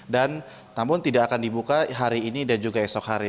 dan namun tidak akan dibuka hari ini dan juga esok hari